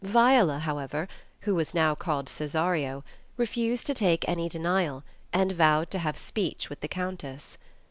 Viola, however, (who was now called Cesario, ) refused to take any denial, and vowed to have speech with the Countess.